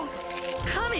神？